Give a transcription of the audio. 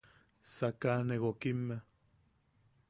Sakaʼane gokimmea.